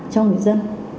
cho người dân